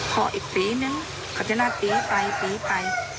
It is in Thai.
พออีกปีนึงเขาจะน่าปีไปไป